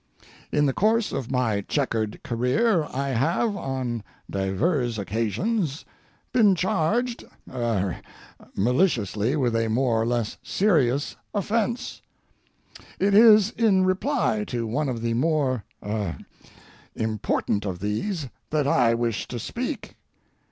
In the course of my checkered career I have, on divers occasions, been charged—er—maliciously with a more or less serious offence. It is in reply to one of the more—er—important of these that I wish to speak.